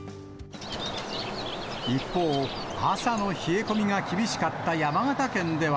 一方、朝の冷え込みが厳しかった山形県では。